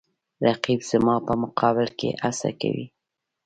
رقیب زما په مقابل کې هڅه کوي